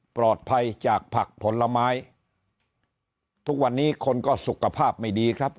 ปลอดภัยจากผักผลไม้ทุกวันนี้คนก็สุขภาพไม่ดีครับ